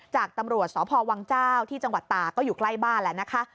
จากตำรวจสพวังเจ้าที่จังหวัดตาก็อยู่ใกล้บ้านแล้วนะคะ